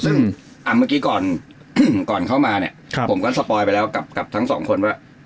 ซึ่งเมื่อกี้ก่อนเข้ามาเนี่ยผมก็สปอยไปแล้วกับทั้งสองคนว่า